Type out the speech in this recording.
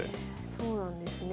そうなんですね。